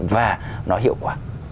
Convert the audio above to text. và nó hiệu quả